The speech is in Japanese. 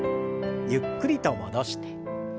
ゆっくりと戻して。